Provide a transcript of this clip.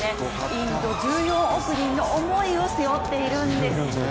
インド１４億人の思いを背負っているんです。